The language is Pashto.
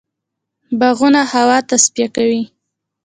باغونه هوا تصفیه کوي.